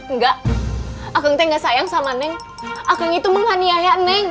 enggak akang teh gak sayang sama eneng akang itu menghaniaya eneng